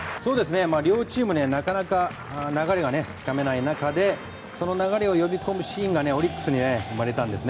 両チーム、なかなか流れがつかめない中でその流れを呼び込むシーンがオリックスに生まれました。